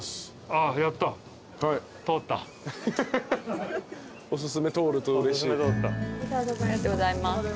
ありがとうございます。